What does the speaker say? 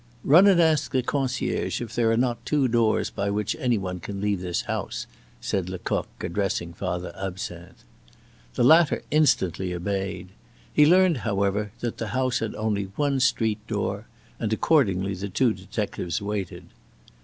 "Run and ask the concierge if there are not two doors by which any one can leave this house," said Lecoq, addressing Father Absinthe. The latter instantly obeyed. He learned, however, that the house had only one street door, and accordingly the two detectives waited.